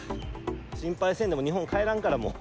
心配せんでも日本帰らんから、もう。